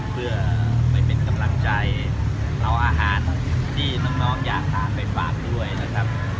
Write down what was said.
เพื่อไปเป็นกำลังใจเอาอาหารที่น้องอยากทานไปฝากด้วยนะครับ